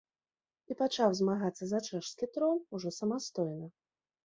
І пачаў змагацца за чэшскі трон ужо самастойна.